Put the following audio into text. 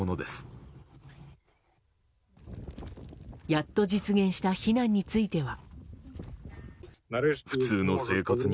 やっと実現した避難については。